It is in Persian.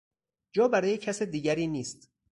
جا برای کس دیگری نیست.